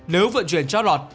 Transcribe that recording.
nếu vận chuyển trót lọt